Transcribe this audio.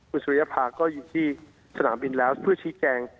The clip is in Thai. คุณสุริยภาก็อยู่ที่สนามบินแล้วเพื่อชี้แจง